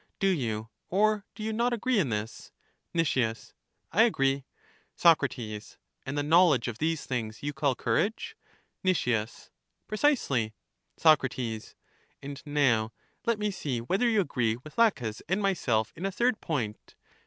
Do you or do you not agree in this? Nic, I agree. Soc, And the knowledge of these things you call courage? Nic, Precisely. Soc, And now let me see whether you agree with Laches and myself in a third point.